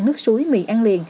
nước suối mì ăn